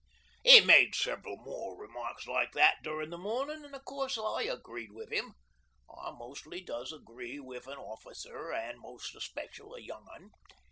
''E made several more remarks like that durin' the mornin', an' of course I agreed with 'im. I mostly does agree with an officer an' most especial a young 'un.